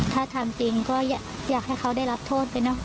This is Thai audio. ถ้าทำจริงก็อยากให้เขาได้รับโทษไปเนอะ